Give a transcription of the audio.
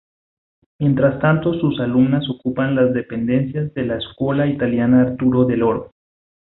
Mientras tanto sus alumnas ocupan las dependencias de la Scuola Italiana Arturo Dell' Oro.